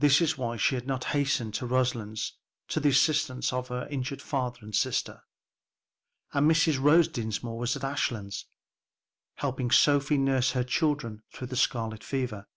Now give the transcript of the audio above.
This was why she had not hastened to Roselands to the assistance of her injured father and sister. And Mrs. Rose Dinsmore was at Ashlands, helping Sophie nurse her children through the scarlet fever.